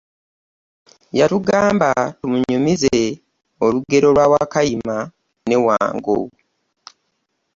Yatugamba tumunyumize olugero lwa wakayima ne wango.